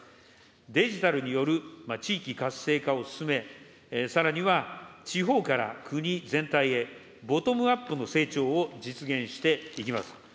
デジタルによる地域活性化を進め、さらには地方から国全体へ、ボトムアップの成長を実現していきます。